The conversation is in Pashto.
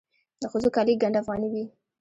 د ښځو کالي ګنډ افغاني وي.